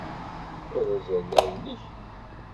Arazal-a nnek.